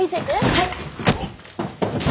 はい。